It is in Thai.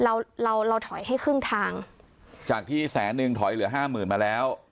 เราเราถอยให้ครึ่งทางจากที่แสนนึงถอยเหลือห้าหมื่นมาแล้ว